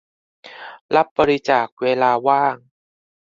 รับบริจาค "เวลาว่าง"